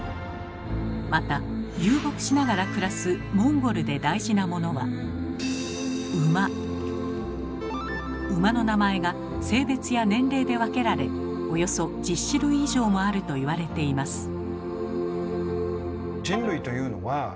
また遊牧しながら暮らすモンゴルで大事なものは馬の名前が性別や年齢で分けられおよそ１０種類以上もあると言われています。